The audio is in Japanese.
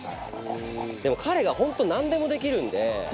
でも彼が本当なんでもできるんで。